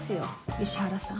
石原さん。